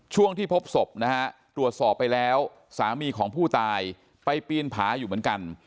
ช่วงที่พบศพนะฮะตรวจสอบไปแล้วสามีของผู้ตายไปปีนผาอยู่เหมือนกัน